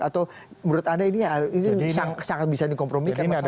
atau menurut anda ini sangat bisa dikompromikan masalahnya